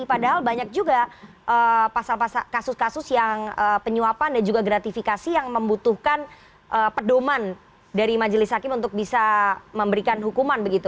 padahal banyak juga pasal pasal kasus kasus yang penyuapan dan juga gratifikasi yang membutuhkan pedoman dari majelis hakim untuk bisa memberikan hukuman begitu